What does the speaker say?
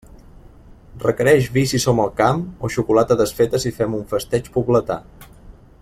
Requereix vi si som al camp, o xocolata desfeta si fem un festeig pobletà.